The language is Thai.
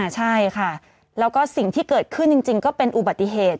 ใช่ค่ะแล้วก็สิ่งที่เกิดขึ้นจริงก็เป็นอุบัติเหตุ